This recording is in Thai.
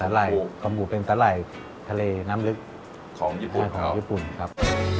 สาหร่ายคอมบุดเป็นสาหร่ายทะเลน้ำลึกของญี่ปุ่นครับ